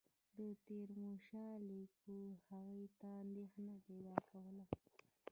د تیمورشاه لیکونو هغوی ته اندېښنه پیدا کوله.